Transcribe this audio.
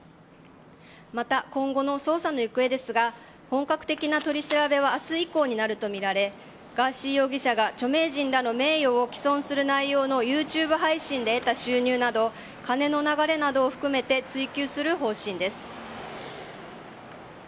また、今後の捜査の行方ですが本格的な取り調べは明日以降になるとみられガーシー容疑者が著名人などの名誉を毀損する内容のＹｏｕＴｕｂｅ配信で得た収入など金の流れなどを含めて追及する方針です。